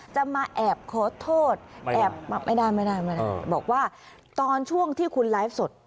จะมาแอบขอโทษแอบมาไม่ได้ไม่ได้บอกว่าตอนช่วงที่คุณไลฟ์สด